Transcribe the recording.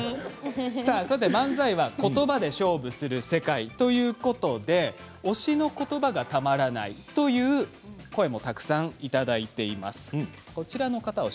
漫才はことばで勝負する世界ということで推しのことばがたまらないという声もたくさんいただいています。